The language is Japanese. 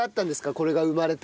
これが生まれた。